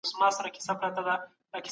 ایا درواغ د څېړنې له مزاج سره جوړیږي؟